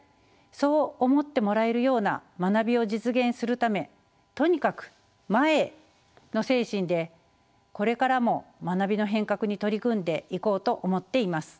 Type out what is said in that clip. そう思ってもらえるような学びを実現するためとにかく前への精神でこれからも学びの変革に取り組んでいこうと思っています。